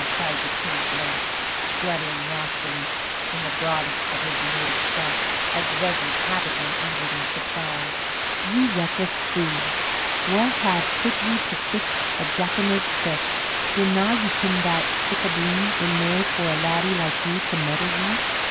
cried the King at length, spluttering wrathfully in the broadest of his native Scotch, as was his habit when angered or surprised. "Ye reckless fou, wha hae put ye to sic a jackanape trick? Dinna ye ken that sic a boon is nae for a laddie like you to meddle wi'?